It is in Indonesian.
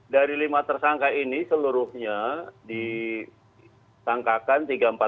dari lima tersangka ini seluruhnya disangkakan tiga ratus empat puluh